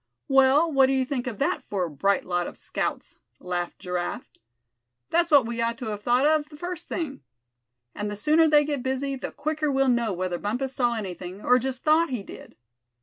"Well what do you think of that for a bright lot of scouts?" laughed Giraffe. "That's what we ought to have thought of the first thing. And the sooner they get busy, the quicker we'll know whether Bumpus saw anything, or just thought he did."